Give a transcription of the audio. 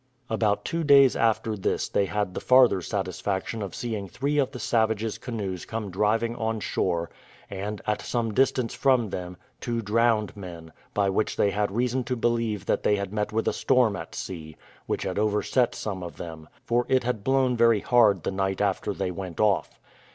About two days after this they had the farther satisfaction of seeing three of the savages' canoes come driving on shore, and, at some distance from them, two drowned men, by which they had reason to believe that they had met with a storm at sea, which had overset some of them; for it had blown very hard the night after they went off.